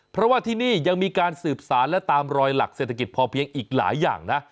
เพราะว่าที่นี่ยังมีการสืบสารและตามรอยหลักเศรษฐกิจพอเพียงอีกหลายอย่างนะ